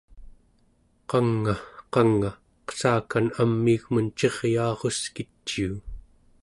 qang'a, qang'a, qessakan amiigmun ciryaaruskiciu